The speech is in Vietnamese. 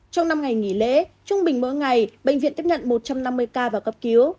trong năm ngày nghỉ lễ trung bình mỗi ngày bệnh viện tiếp nhận một trăm năm mươi ca vào cấp cứu